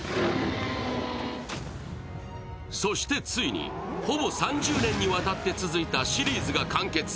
そして、ついにほぼ３０年にわたって続いたシリーズが完結。